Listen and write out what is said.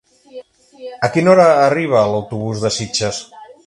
A quina hora arriba l'autobús de Sitges?